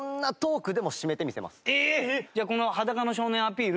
じゃあこの『裸の少年』のアピール